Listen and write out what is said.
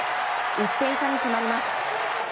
１点差に迫ります。